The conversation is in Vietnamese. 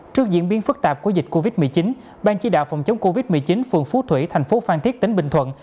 trước diễn biến phức tạp của dịch covid một mươi chín ban chỉ đạo phòng chống covid một mươi chín phường phú thủy thành phố phan thiết tỉnh bình thuận